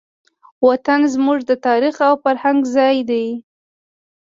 وطن زموږ د تاریخ او فرهنګ ځای دی.